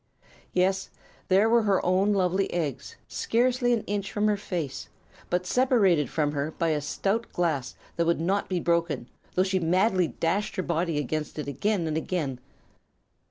Yes; there were her own lovely eggs, scarcely an inch from her face, but separated from her by a stout glass that could not be broken, although she madly dashed her body against it again and again.